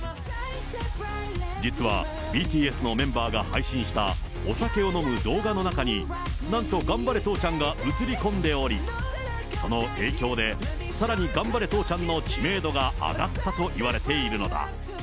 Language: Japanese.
実は、ＢＴＳのメンバーが配信した、お酒を飲む動画の中に、なんとがんばれ父ちゃんが映り込んでおり、その影響で、さらにがんばれ父ちゃんの知名度が上がったといわれているのだ。